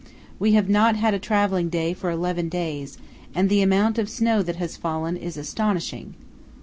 We have not had a travelling day for eleven days, and the amount of snow that has fallen is astonishing.